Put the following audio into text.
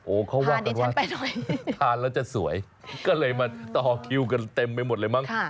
เขาว่ากันว่าทานแล้วจะสวยก็เลยมาต่อคิวกันเต็มไปหมดเลยมั้ง